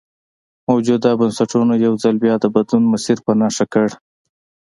موجوده بنسټونو یو ځل بیا د بدلون مسیر په نښه کړ.